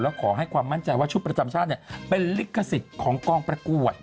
แล้วขอให้ความมั่นใจว่าชุดประจำชาติเป็นลิขสิทธิ์ของกองประกวด